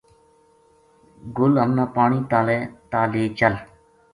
گل ہمناں پانی تا لے چل